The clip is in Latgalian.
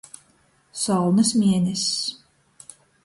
Solnys mieness.